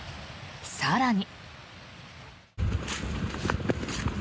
更に。